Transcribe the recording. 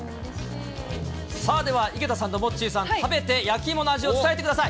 さあ、では井桁さんとモッチーさん、食べて、焼き芋の味を伝えてください。